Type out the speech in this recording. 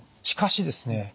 しかしですね